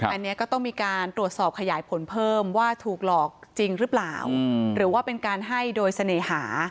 อันนี้ก็ต้องมีการตรวจสอบขยายผลเพิ่มว่าถูกหลอกจริงหรือเปล่าหรือว่าเป็นการให้โดยเสน่หา